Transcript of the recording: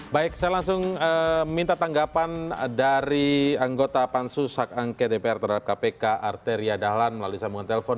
baik saya langsung minta tanggapan dari anggota pansus hak angket dpr terhadap kpk arteria dahlan melalui sambungan telepon